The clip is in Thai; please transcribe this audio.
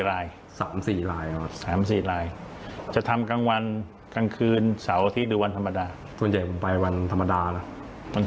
อาทิตย์หนึ่งทำกี่ราย